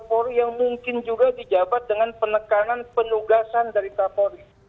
polri yang mungkin juga dijabat dengan penekanan penugasan dari kapolri